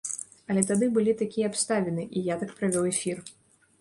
Але тады былі такія абставіны, і я так правёў эфір.